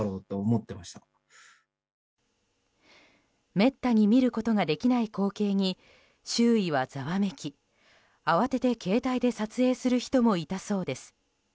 めったに見ることができない光景に周囲はざわめき慌てて携帯で撮影する人もいたそうです。